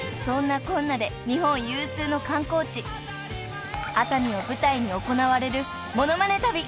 ［そんなこんなで日本有数の観光地熱海を舞台に行われる「モノマネ旅」］